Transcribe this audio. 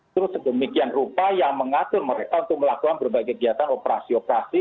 terus sedemikian rupa yang mengatur mereka untuk melakukan berbagai kegiatan operasi operasi